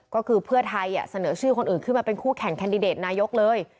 ก็คือเพื่อไทยเสนอชื่อคนอื่นขึ้นมาเป็นคู่แข่งแคนดิเดตนายกเลย